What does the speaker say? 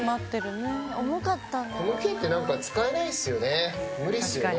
この毛って、何か、使えないっすよね、無理っすよね。